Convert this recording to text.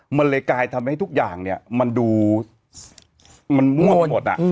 มันเลยกลายทำให้ทุกอย่างมันดูมั่วหมด